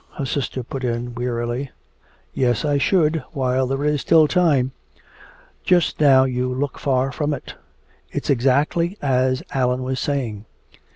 her sister put in wearily. "Yes, I should, while there is still time! Just now you look far from it! It's exactly as Allan was saying!